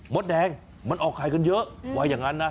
มดแดงมันออกไข่กันเยอะว่าอย่างนั้นนะ